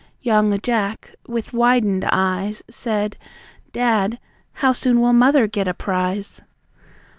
Young Jack, with widened eyes Said: "Dad, how soon will mother get a prize?"